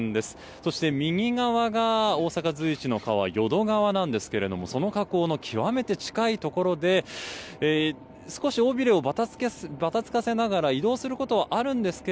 そして右側が大阪随一の川淀川なんですけれどもその河口の極めて近いところで少し尾びれをばたつかせながら移動することはあるんですが